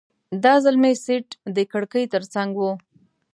دا ځل مې سیټ د کړکۍ ترڅنګ و.